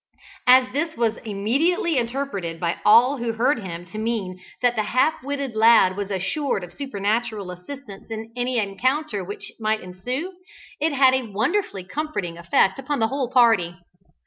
As this was immediately interpreted by all who heard him to mean that the half witted lad was assured of supernatural assistance in any encounter which might ensue, it had a wonderfully comforting effect upon the whole party.